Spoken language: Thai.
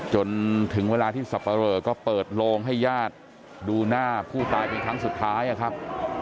จนถึงเวลาที่สับปะเรอก็เปิดโลงให้ญาติดูหน้าผู้ตายเป็นครั้งสุดท้ายนะครับ